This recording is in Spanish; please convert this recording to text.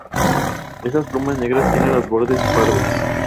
Estas plumas negras tienen los bordes pardos.